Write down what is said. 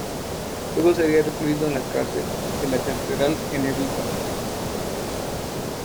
Luego sería recluido en la Cárcel de La Catedral en Envigado.